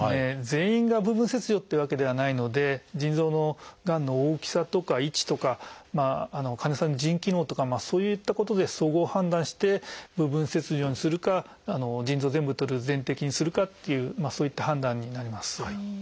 全員が部分切除っていうわけではないので腎臓のがんの大きさとか位置とか患者さんの腎機能とかそういったことで総合判断して部分切除にするか腎臓を全部とる「全摘」にするかというそういった判断になります。